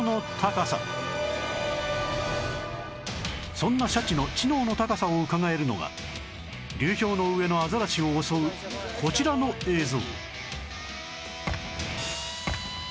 そんなシャチの知能の高さをうかがえるのが流氷の上のアザラシを襲うこちらの映像